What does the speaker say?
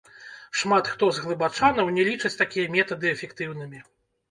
Шмат хто з глыбачанаў не лічаць такія метады эфектыўнымі.